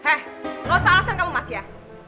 eh gak usah alasan kamu mas ya